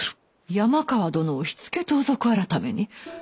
山川殿を火付盗賊改に？